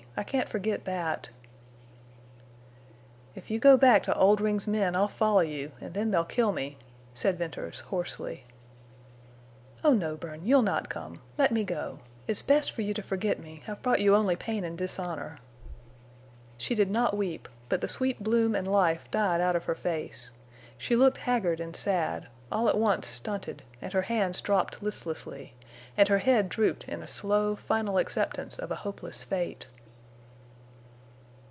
I can't forget that." "If you go back to Oldring's men I'll follow you, and then they'll kill me," said Venters, hoarsely. "Oh no, Bern, you'll not come. Let me go. It's best for you to forget me. I've brought you only pain and dishonor." She did not weep. But the sweet bloom and life died out of her face. She looked haggard and sad, all at once stunted; and her hands dropped listlessly; and her head drooped in slow, final acceptance of a hopeless fate.